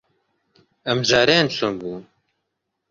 ئەمجارەیان چۆن بوو؟